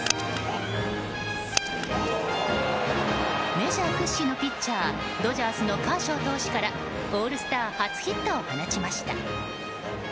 メジャー屈指のピッチャードジャースのカーショー投手からオールスター初ヒットを放ちました。